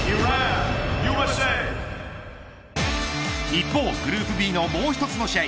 一方、グループＢのもう一つの試合